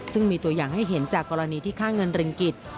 ซึ่งมีตัวอย่างให้เห็นจากกรณีที่ค่าเงินริงกิจ